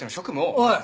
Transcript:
おい！